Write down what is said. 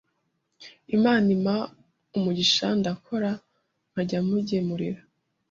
Imana impa umugisha ndakora nkajya mugemurira